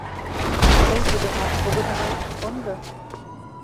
Тый тудымат погынымашыш кондо.